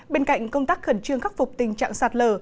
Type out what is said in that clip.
bên cạnh công tác khẩn trương khắc phục tình trạng sạt lở